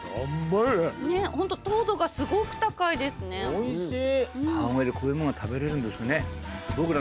おいしい。